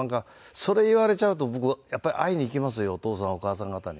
それ言われちゃうと僕やっぱり会いに行きますよお義父さんお義母さん方に。